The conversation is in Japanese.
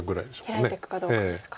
ヒラいていくかどうかですか。